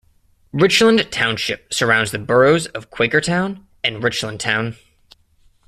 Richland Township surrounds the boroughs of Quakertown and Richlandtown.